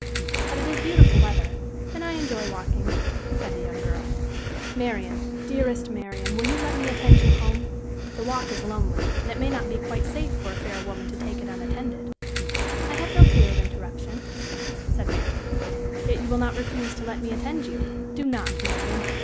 "But it is beautiful weather, and I enjoy walking," said the young girl. "Marian dearest Marian, will you let me attend you home? The walk is lonely, and it may not be quite safe for a fair woman to take it unattended." "I have no fear of interruption," said Marian. "Yet you will not refuse to let me attend you? Do not, Marian!"